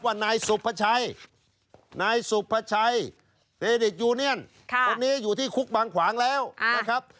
นายสุภาชัยนายสุภาชัยเดดิตยูเนียนคนนี้อยู่ที่คุกบางขวางแล้วนะครับ